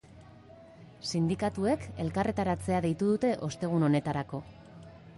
Sindikatuek elkarretaratzea deitu dute ostegun honetarako.